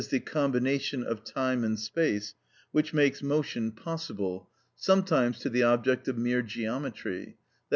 _, the combination of time and space, which makes motion possible, sometimes to the object of mere geometry, _i.